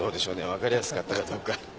分かりやすかったかどうか。